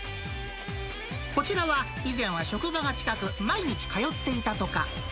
こちらは以前は職場が近く、毎日通っていたとか。